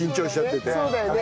そうだよね。